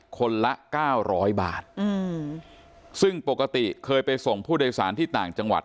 คนละเก้าร้อยบาทอืมซึ่งปกติเคยไปส่งผู้โดยสารที่ต่างจังหวัด